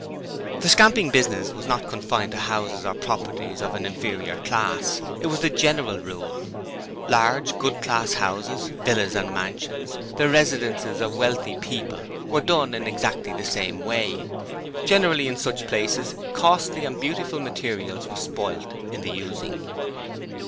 The scamping business was not confined to houses or properties of an inferior class: it was the general rule. Large good class houses, villas and mansions, the residences of wealthy people, were done in exactly the same way. Generally in such places costly and beautiful materials were spoilt in the using.